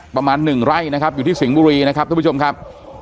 ประมาณหนึ่งไร่นะครับอยู่ที่สิงห์บุรีนะครับทุกผู้ชมครับ